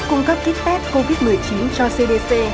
cung cấp kích phép covid một mươi chín cho cdc